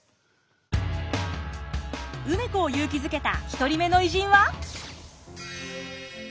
梅子を勇気づけた１人目の偉人は。